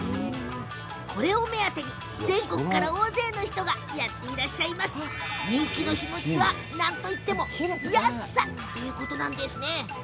これを目当てに全国から大勢の人がやって来るんですが人気の秘密はなんといっても安さということです。